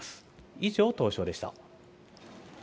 以上、東証でした。